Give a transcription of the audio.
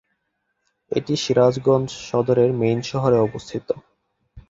এটি সিরাজগঞ্জ সদর এর মেইন শহরে অবস্থিত।